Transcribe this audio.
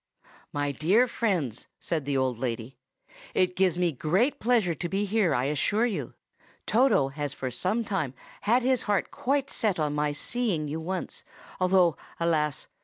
"My dear friends," said the old lady, "it gives me great pleasure to be here, I assure you. Toto has for some time had his heart quite set on my seeing you once—though, alas!